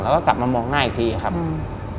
แล้วก็กลับมามองหน้าอีกทีครับอืม